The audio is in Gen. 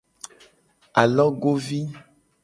Alogovi.